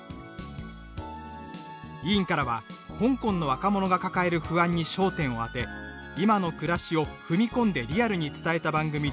委員からは「香港の若者が抱える不安に焦点を当て今の暮らしを踏み込んでリアルに伝えた番組で感銘を受けた」